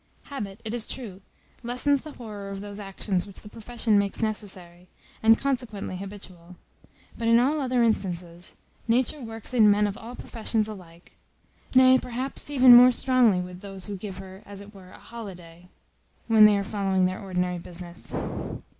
Habit, it is true, lessens the horror of those actions which the profession makes necessary, and consequently habitual; but in all other instances, Nature works in men of all professions alike; nay, perhaps, even more strongly with those who give her, as it were, a holiday, when they are following their ordinary business.